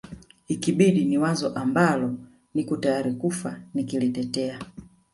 ikibidi ni wazo ambalo niko tayari kufa nikilitetea